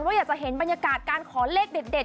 ว่าอยากจะเห็นบรรยากาศการขอเลขเด็ด